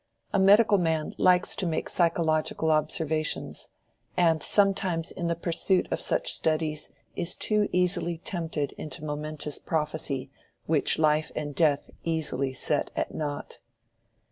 A medical man likes to make psychological observations, and sometimes in the pursuit of such studies is too easily tempted into momentous prophecy which life and death easily set at nought.